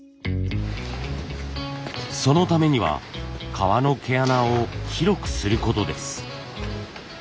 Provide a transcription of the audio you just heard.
そのためには革の毛穴を広くすることです。